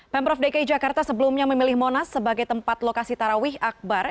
pemprov dki jakarta sebelumnya memilih monas sebagai tempat lokasi tarawih akbar